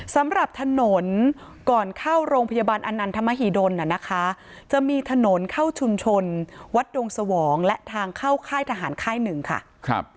สำหรับถนนก่อนเข้าโรงพยาบาลอนันทมหิดลน่ะนะคะจะมีถนนเข้าชุมชนวัดดงสวองและทางเข้าค่ายทหารค่ายหนึ่งค่ะครับ